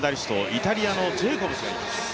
イタリアのジェイコブスがいます。